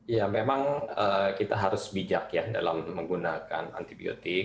ya memang kita harus bijak ya dalam menggunakan antibiotik